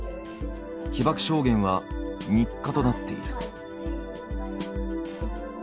被爆証言は日課となっている。